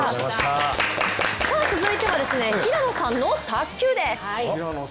続いては平野さんの卓球です。